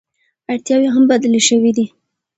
اړتیاوې هم بدلې شوې دي.